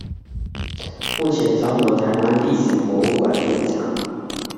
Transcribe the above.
目前交由臺灣歷史博物館典藏